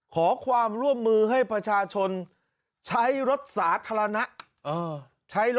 ขอความร่วมมือให้ประชาชนใช้รถสาธารณะ